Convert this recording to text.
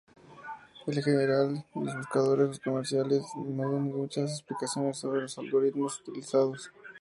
En general, los buscadores comerciales no dan muchas explicaciones sobre los algoritmos utilizados.